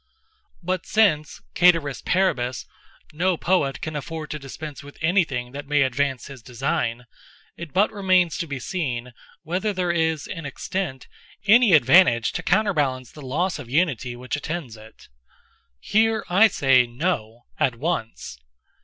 But since, ceteris paribus, no poet can afford to dispense with anything that may advance his design, it but remains to be seen whether there is, in extent, any advantage to counterbalance the loss of unity which attends it. Here I say no, at once.